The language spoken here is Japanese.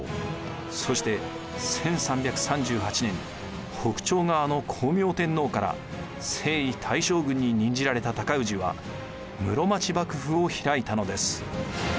そして１３３８年北朝側の光明天皇から征夷大将軍に任じられた尊氏は室町幕府を開いたのです。